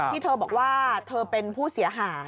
ที่เธอบอกว่าเธอเป็นผู้เสียหาย